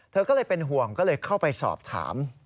เธอก็เลยเป็นห่วงก็เลยเข้าไปสอบถาม